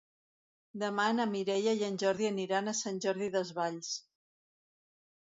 Demà na Mireia i en Jordi aniran a Sant Jordi Desvalls.